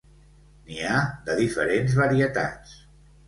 N'hi ha de diferents varietats.